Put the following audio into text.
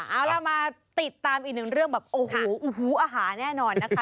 เอาล่ะมาติดตามอีกหนึ่งเรื่องแบบโอ้โหอาหารแน่นอนนะคะ